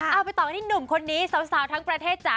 เอาไปต่อกันที่หนุ่มคนนี้สาวทั้งประเทศจ๋า